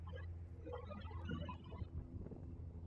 山田事件其间由于宗像氏的内纷而发生的暗杀事件。